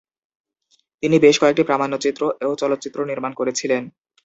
তিনি বেশ কয়েকটি প্রামাণ্যচিত্র ও চলচ্চিত্র নির্মাণ করেছিলেন।